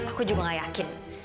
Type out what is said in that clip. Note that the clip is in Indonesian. aku juga gak yakin